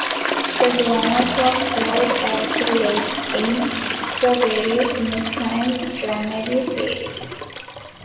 The glamor soap served as the lead-in for various new crime dramedy series'.